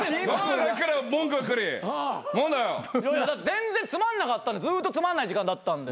全然つまんなかったんでずっとつまんない時間だったんで。